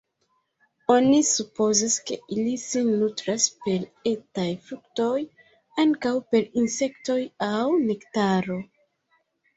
Oni supozas, ke ili sin nutras per etaj fruktoj, ankaŭ per insektoj aŭ nektaro.